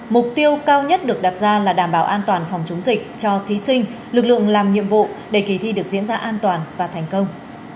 mục tiêu cao nhất được đặt ra là đảm bảo an toàn phòng chống dịch cho thí sinh lực lượng làm nhiệm vụ để kỳ thi được diễn ra an toàn và thành công